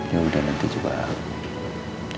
ya udah nanti coba aku pikirin ya